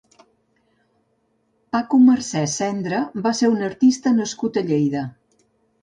Paco Mercè Sendra va ser un artista nascut a Lleida.